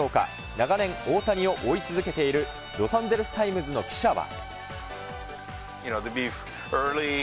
長年、大谷を追い続けているロサンゼルスタイムズの記者は。